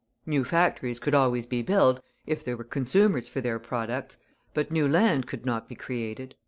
New factories could always be built, if there were consumers for their products, but new land could not be created.